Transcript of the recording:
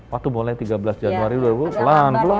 waktu mulai tiga belas januari dulu pelan pelan